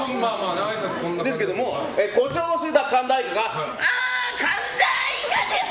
ですけど誇張をした神田愛花は神田愛花です